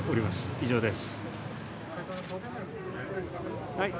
以上です。